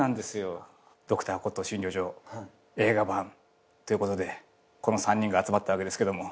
『Ｄｒ．コトー診療所』映画版ということでこの３人が集まったわけですけども。